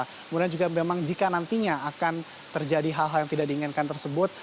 kemudian juga memang jika nantinya akan terjadi hal hal yang tidak diinginkan tersebut